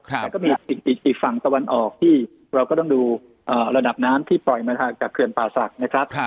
แล้วก็มีอีกฝั่งตะวันออกที่เราก็ต้องดูระดับน้ำที่ปล่อยมาจากเขื่อนป่าศักดิ์นะครับ